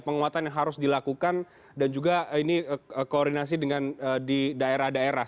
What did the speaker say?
penguatan yang harus dilakukan dan juga ini koordinasi dengan di daerah daerah